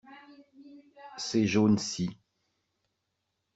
Ces jaunes-ci.